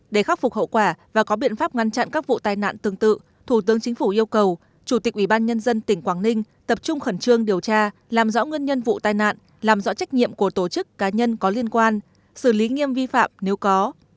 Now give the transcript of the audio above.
để khắc phục hậu quả và có biện pháp ngăn chặn các vụ tai nạn tương tự thủ tướng chính phủ yêu cầu chủ tịch ủy ban nhân dân tỉnh quảng ninh tập trung khẩn trương điều tra làm rõ nguyên nhân vụ tai nạn làm rõ trách nhiệm của tổ chức cá nhân có liên quan xử lý nghiêm vi phạm nếu có